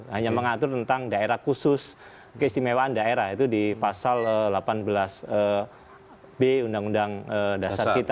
hanya mengatur tentang daerah khusus keistimewaan daerah itu di pasal delapan belas b undang undang dasar kita